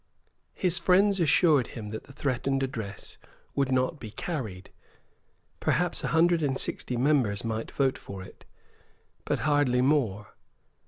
His friends assured him that the threatened address would not be carried. Perhaps a hundred and sixty members might vote for it; but hardly more.